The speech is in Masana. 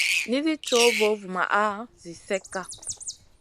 Nizi cow vovumaʼa zi slekka.